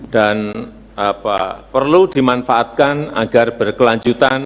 dan perlu dimanfaatkan agar berkelanjutan